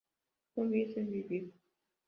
no hubiesen vivido